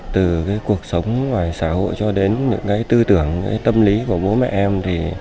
từ cuộc sống ngoài xã hội cho đến những tư tưởng tâm lý của bố mẹ em